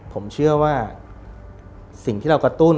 ผมเชื่อว่าสิ่งที่เรากระตุ้น